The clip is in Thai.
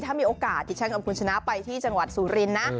ถ้ามีโอกาสดิฉันกับคุณชนะไปที่จังหวัดสุรินทร์นะ